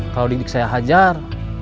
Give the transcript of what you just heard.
kalau dik dik saya hajar